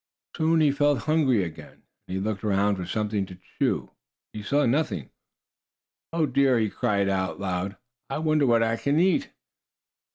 Soon he felt hungry again, and he looked around for something to chew. He saw nothing. "Oh dear!" he cried out loud. "I wonder what I can eat."